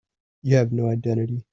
You have no identity.